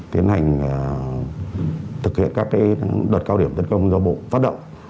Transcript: tiến hành thực hiện các đợt cao điểm tấn công do bộ phát động